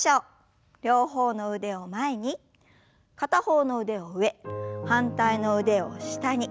両方の腕を前に片方の腕は上反対の腕を下に。